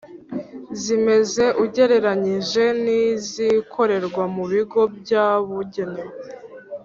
zimeze ugereranyije n’izikorerwa mu bigo byabugenewe,